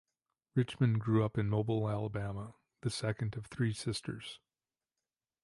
Richmond grew up in Mobile, Alabama, the second of three sisters.